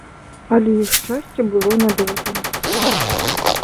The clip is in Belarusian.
Але іх шчасце было нядоўгім.